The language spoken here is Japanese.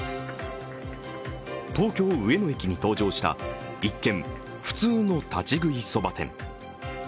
東京・上野駅に登場した一見普通の立ち食いそば店。